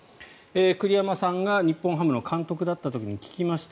栗山さんが日本ハムの監督だった時に聞きました。